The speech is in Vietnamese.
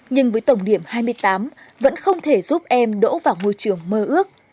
nhưng với tổng điểm hai mươi tám vẫn không thể giúp em đỗ vào ngôi trường mơ ước